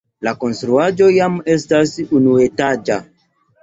La konstruaĵo jam estas unuetaĝa.